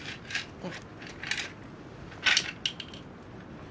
えっ？